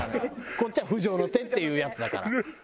こっちは不浄の手っていうやつだから。